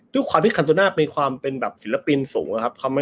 ด้วยความที่คันโตน่าเป็นความเป็นแบบศิลปินสูงอะครับ